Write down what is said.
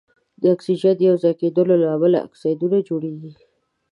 د اکسیجن یو ځای کیدلو له امله اکسایدونه جوړیږي.